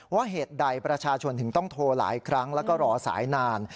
เหตุใดประชาชนถึงต้องโทรหลายครั้งแล้วก็รอสายนาน